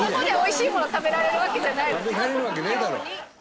「食べられるわけねえだろ」